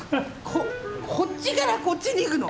こっちからこっちにいくの。